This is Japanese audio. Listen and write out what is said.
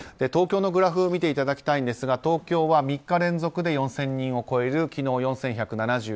東京のグラフを見ていただきたいんですが東京は３日連続で４０００人を超えて昨日は４１７２人。